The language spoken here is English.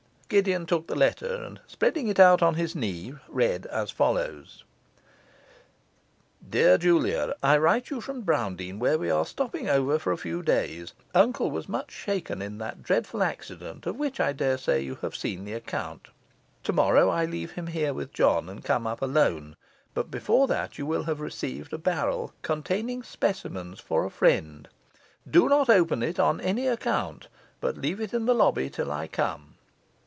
Gideon took the letter, and spreading it out on his knee, read as follows: DEAR JULIA, I write you from Browndean, where we are stopping over for a few days. Uncle was much shaken in that dreadful accident, of which, I dare say, you have seen the account. Tomorrow I leave him here with John, and come up alone; but before that, you will have received a barrel CONTAINING SPECIMENS FOR A FRIEND. Do not open it on any account, but leave it in the lobby till I come.